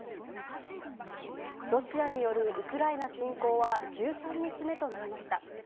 ロシアによるウクライナ侵攻は１３日目となりました。